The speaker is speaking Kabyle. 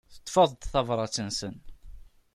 Teṭṭfeḍ-d tabrat-nsen.